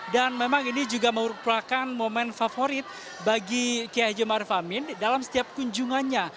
dan memang ini juga merupakan momen favorit bagi keahji ma'ruf amin dalam setiap kunjungannya